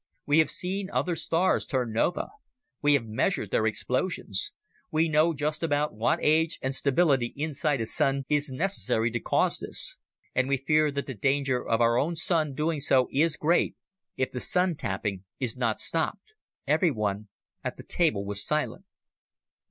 We have seen other stars turn nova. We have measured their explosions. We know just about what age and stability inside a sun is necessary to cause this. And we fear that the danger of our own Sun doing so is great if the Sun tapping is not stopped." Everyone at the table was silent.